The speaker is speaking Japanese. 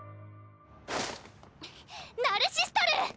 ナルシストルー！